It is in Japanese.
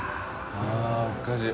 あぁおかしい。